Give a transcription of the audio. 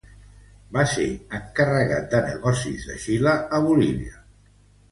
Va ser encarregat de negocis de Xile a Bolívia.